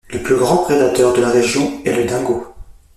Le plus grand prédateur de la région est le dingo.